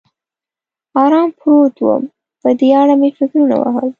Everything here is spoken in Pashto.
ارام پروت ووم، په دې اړه مې فکرونه وهل.